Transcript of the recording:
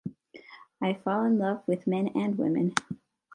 I fall in love with men and women.